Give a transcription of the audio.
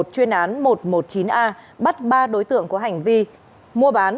chuyên án một trăm một mươi chín a bắt ba đối tượng có hành vi mua bán